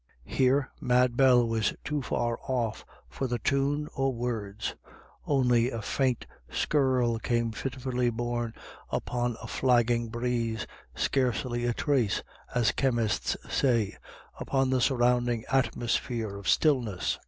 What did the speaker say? Here Mad Bell was too far off for the tune or words ; only a faint skirl came fitfully, borne upon a flagging breeze, scarcely " a trace," as chemists say, upon the surrounding atmosphere of stfllness.